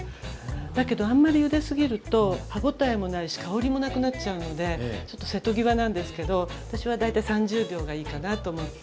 だけどあんまりゆですぎると歯ごたえもないし香りもなくなっちゃうのでちょっと瀬戸際なんですけど私は大体３０秒がいいかなと思って。